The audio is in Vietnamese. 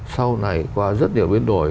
sau này qua rất nhiều biến đổi